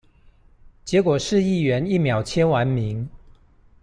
結果市議員一秒簽完名